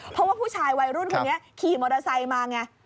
เพราะว่าผู้ชายวัยรุ่นคนนี้ขี่มอเตอร์ไซค์มาไง